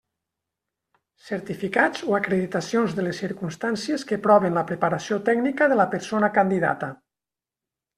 Certificats o acreditacions de les circumstàncies que proven la preparació tècnica de la persona candidata.